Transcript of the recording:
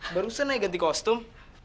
barusan aja ganti kostum